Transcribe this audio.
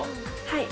はい。